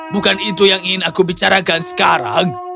bukan itu yang ingin aku bicarakan sekarang